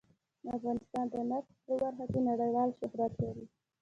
افغانستان د نفت په برخه کې نړیوال شهرت لري.